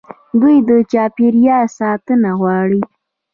دوی د چاپیریال ساتنه غواړي.